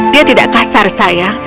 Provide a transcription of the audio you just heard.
dia tidak kasar sayang